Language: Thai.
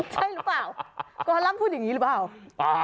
ใช่หรือเปล่ากรร่ำพูดอย่างนี้หรือเปล่า